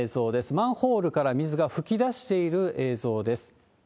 マンホールから水が噴き出している映像です。